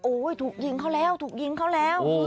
โอ๊ยถูกยิงเขาแล้ว